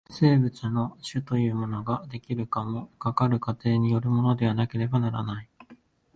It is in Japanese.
生物の種というものが出来るのも、かかる過程によるものでなければならない。